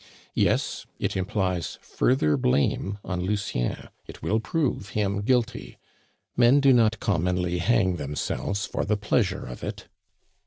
Yes, it implies further blame on Lucien; it will prove him guilty. Men do not commonly hang themselves for the pleasure of it.